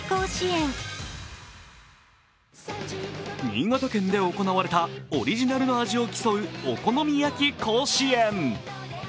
新潟県で行われたオリジナルの味を競うお好み焼き甲子園。